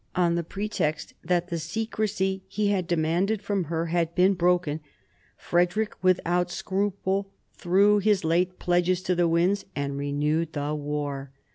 On the pretext that the secrecy he had demanded from her had been broken, Frederick without scruple threw his late pledges to the winds, and renewed the war.